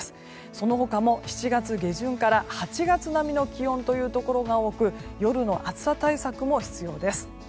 その他も７月下旬から８月並みの気温のところが多く夜の暑さ対策も必要です。